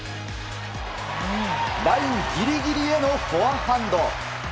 ラインギリギリへのフォアハンド。